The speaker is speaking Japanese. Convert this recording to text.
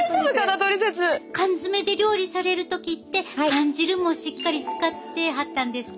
缶詰で料理される時って缶汁もしっかり使ってはったんですか？